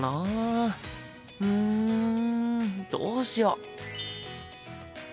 うんどうしよう。